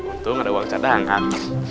untung ada uang cadangan